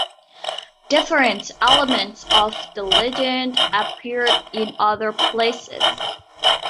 Different elements of the legend appear in other places.